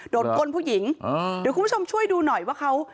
ก้นผู้หญิงเดี๋ยวคุณผู้ชมช่วยดูหน่อยว่าเขา